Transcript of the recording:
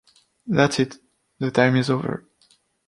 That’s it. The time is over.